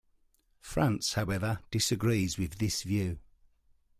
France, however, disagrees with this view.